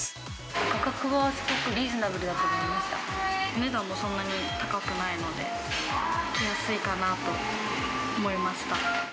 価格はすごくリーズナブルだお値段もそんなに高くないので、来やすいかなと思いました。